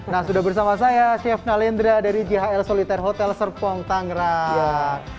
nah sudah bersama saya chef nalendra dari jhl soliter hotel serpong tangerang